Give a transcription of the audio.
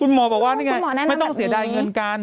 หมอบอกว่านี่ไงไม่ต้องเสียดายเงินกัน